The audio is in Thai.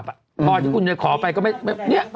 พอที่คุณจะขอไปก็ไม่